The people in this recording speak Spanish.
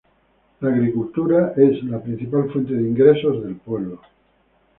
La agricultura es la principal fuente de ingresos del pueblo.